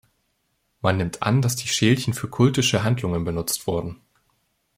Man nimmt an, dass die Schälchen für kultische Handlungen benutzt wurden.